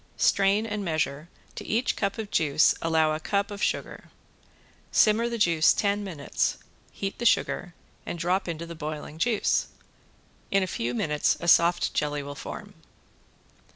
Strain and measure, to each cup of juice allow a cup of sugar. Simmer the juice ten minutes, heat the sugar and drop into the boiling juice. In a few minutes a soft jelly will form.